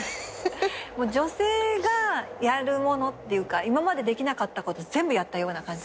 女性がやるものっていうか今までできなかったこと全部やったような感じだったね。